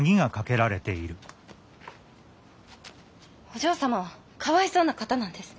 お嬢様はかわいそうな方なんです。